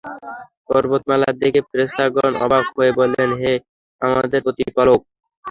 পর্বতমালা দেখে ফেরেশতাগণ অবাক হয়ে বললেন, হে আমাদের প্রতিপালক!